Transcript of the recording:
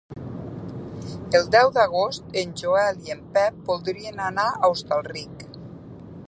El deu d'agost en Joel i en Pep voldrien anar a Hostalric.